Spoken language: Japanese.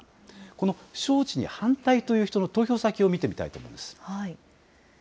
この招致に反対という人の投票先を見てみたいと思います。